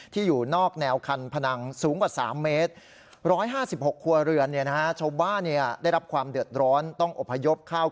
ที่อยู่นอกแนวคันพนังสูงกว่า๓เมตร